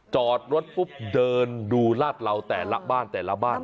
จอดรถปุ๊บเดินดูลาดเหล่าแต่ละบ้านแต่ละบ้าน